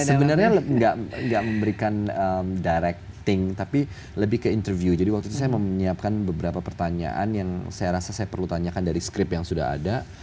sebenarnya nggak memberikan directing tapi lebih ke interview jadi waktu itu saya mau menyiapkan beberapa pertanyaan yang saya rasa saya perlu tanyakan dari skript yang sudah ada